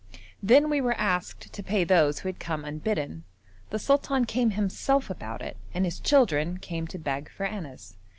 Then we were asked to pay those who had come unbidden. The sultan came himself about it, and his children came to beg for annas.